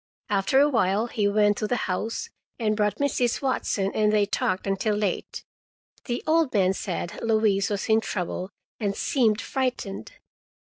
After a while he went to the house and brought Mrs. Watson, and they talked until late. The old man said Louise was in trouble, and seemed frightened.